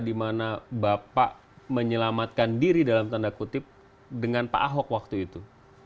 di mana bapak menyelamatkan diri dalam tanda kutip dengan pak ahok waktu itu